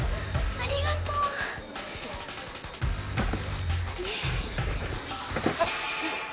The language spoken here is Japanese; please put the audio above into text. ありがとうあれ？